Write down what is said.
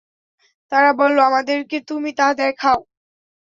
তারা বলল, আমাদেরকে তুমি তা দেখাও।